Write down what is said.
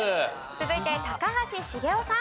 続いて高橋茂雄さん。